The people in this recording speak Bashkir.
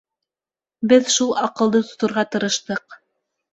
Беҙ шул аҡылды тоторға тырыштыҡ.